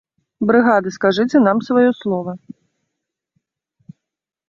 Брыгады, скажыце нам сваё слова.